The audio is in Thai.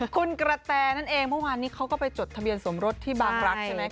คุณกระแตนั่นเองเมื่อวานนี้เขาก็ไปจดทะเบียนสมรสที่บางรักใช่ไหม